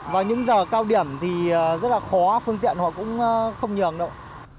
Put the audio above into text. và những giờ cao điểm thì rất là khó phương tiện họ cũng không nhường đâu